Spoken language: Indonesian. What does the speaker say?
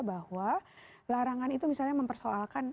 bahwa larangan itu misalnya mempersoalkan